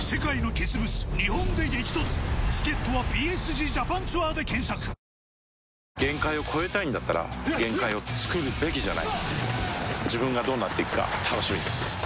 新「ＥＬＩＸＩＲ」限界を越えたいんだったら限界をつくるべきじゃない自分がどうなっていくか楽しみです